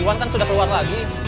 iwan kan sudah keluar lagi